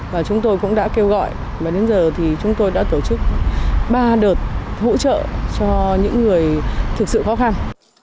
và chúng tôi cũng đã kêu gọi và đến giờ thì chúng tôi đã tổ chức ba đợt hỗ trợ cho những người thực sự khó khăn